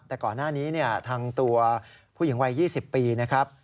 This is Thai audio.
แต่ก่อนหน้านี้ทางตัวผู้หญิงวัย๒๐ปีนะครับ